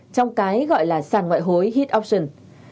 trong cái gọi là sàn ngoại hối hit option